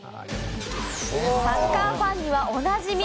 サッカーファンにはおなじみ！